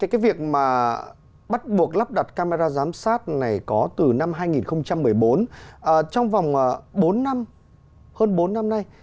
cái việc mà bắt buộc lắp đặt camera giám sát này có từ năm hai nghìn một mươi bốn trong vòng bốn năm hơn bốn năm nay